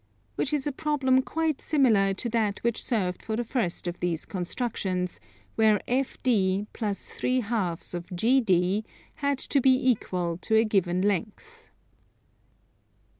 Which is a problem quite similar to that which served for the first of these constructions, where FD plus 3/2 of GD had to be equal to a given length.